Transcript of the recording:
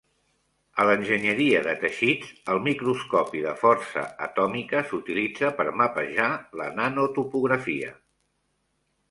A l'enginyeria de teixits, el microscopi de força atòmica s'utilitza per mapejar la nanotopografia.